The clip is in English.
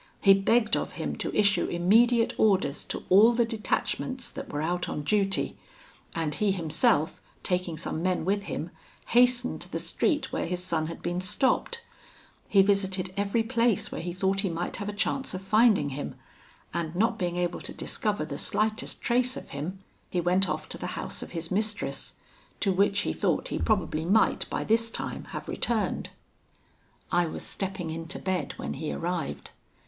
He begged of him to issue immediate orders to all the detachments that were out on duty, and he himself, taking some men with him, hastened to the street where his son had been stopped: he visited every place where he thought he might have a chance of finding him; and not being able to discover the slightest trace of him, he went off to the house of his mistress, to which he thought he probably might by this time have returned. "I was stepping into bed when he arrived.